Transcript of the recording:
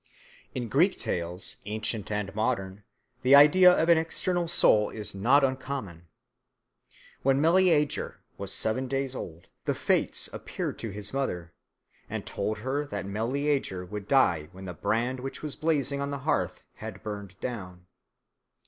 In Greek tales, ancient and modern, the idea of an external soul is not uncommon. When Meleager was seven days old, the Fates appeared to his mother and told her that Meleager would die when the brand which was blazing on the hearth had burnt down.